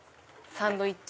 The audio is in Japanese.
サンドイッチ。